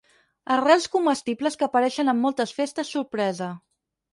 Arrels comestibles que apareixen en moltes festes sorpresa.